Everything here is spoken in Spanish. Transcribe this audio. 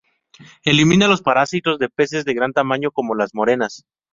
Elimina los parásitos de peces de gran tamaño, como las morenas.